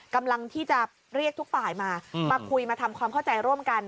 กำลังที่จะเรียกทุกฝ่ายมามาคุยมาทำความเข้าใจร่วมกัน